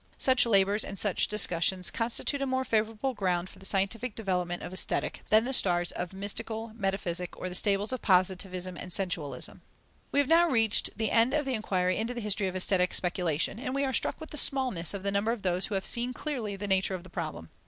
Such labours and such discussions constitute a more favourable ground for the scientific development of Aesthetic than the stars of mystical metaphysic or the stables of positivism and of sensualism. We have now reached the end of the inquiry into the history of aesthetic speculation, and we are struck with the smallness of the number of those who have seen clearly the nature of the problem.